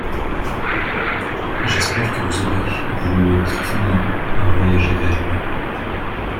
J’espère que vous aurez, vous et votre femme, un voyage agréable.